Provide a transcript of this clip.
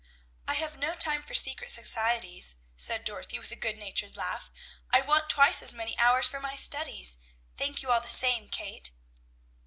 "I have no time for secret societies," said Dorothy with a good natured laugh. "I want twice as many hours for my studies. Thank you, all the same, Kate."